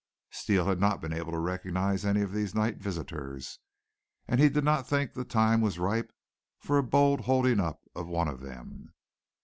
Steele had not been able to recognize any of these night visitors, and he did not think the time was ripe for a bold holding up of one of them.